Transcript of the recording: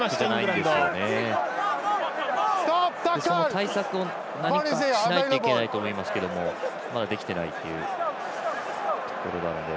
対策を何かしないといけないと思いますけどまだ、できていないというところなので。